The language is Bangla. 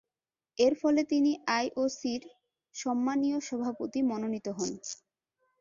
এরফলে তিনি আইওসি’র সম্মানীয় সভাপতি মনোনীত হন।